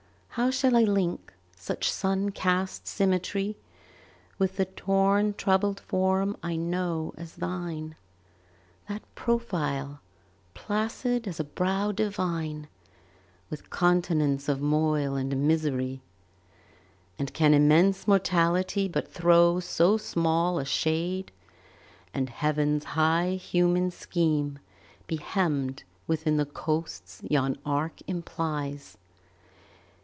How shall I link such sun cast symmetry With the torn troubled form I know as thine, That profile, placid as a brow divine, With continents of moil and misery? And can immense Mortality but throw So small a shade, and Heaven's high human scheme Be hemmed within the coasts yon arc implies?